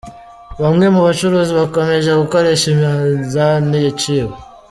Bamwe mu bacuruzi bakomeje gukoresha iminzani yaciwe